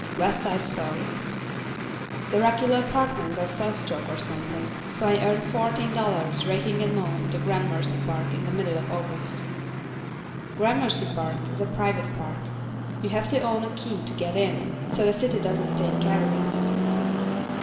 ] WEST SIDE STORY The regular park man got sunstroke or something, so I earned fourteen dollars raking and mowing in Gramercy Park in the middle of August. Gramercy Park is a private park. You have to own a key to get in, so the city doesn't take care of it.